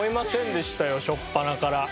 しょっぱなから。